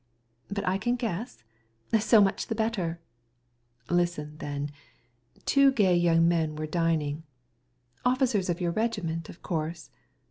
"But I shall guess, so much the better." "Well, listen: two festive young men were driving—" "Officers of your regiment, of course?"